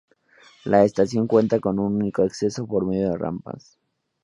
La estación cuenta con un único acceso por medio de rampas.